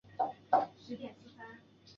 卢莫人口变化图示